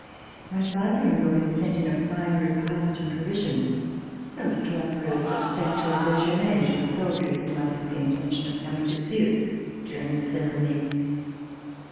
My father in law had sent in a fine repast, and provisions, so as to offer a substantial dejeuner to the soldiers who might have the intention of com ing to see us during the ceremony.